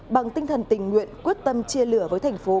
bằng tinh thần tình nguyện quyết tâm chia lửa với thành phố hải phòng